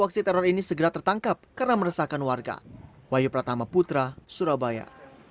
aksi teror ini segera tertangkap karena meresahkan warga wahyu pratama putra surabaya